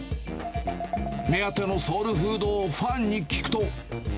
目当てのソウルフードをファンに聞くと。